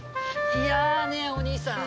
いやあねお兄さん